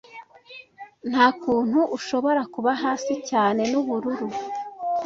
Nta kuntu ushobora kuba hasi cyane n'ubururu.